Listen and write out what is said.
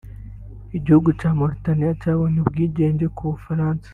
Igihugu cya Mauritania cyabonye ubwigenge ku bufaransa